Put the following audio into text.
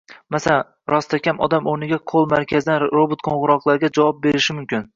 Masalan, rostakam odam oʻrniga “call-markaz”dan robot qoʻngʻiroqlarga javob berishi mumkin.